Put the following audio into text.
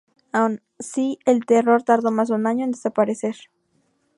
Aún sí, el terror tardó más de un año en desaparecer.